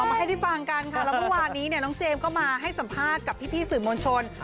มาให้ได้ฟังกันค่ะแล้วเมื่อวานนี้เนี่ยน้องเจมส์ก็มาให้สัมภาษณ์กับพี่สื่อมวลชน